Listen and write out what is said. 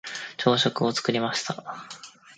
朝食を作りました。